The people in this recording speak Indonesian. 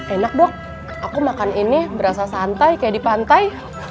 enak dok aku makan ini berasa santai kayak di pantai